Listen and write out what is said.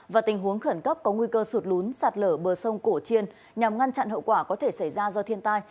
và tình huống khẩn cấp có nguy cơ sụt lún sạt lở bờ sông cổ chiên nhằm ngăn chặn hậu quả có thể xảy ra do thiên tai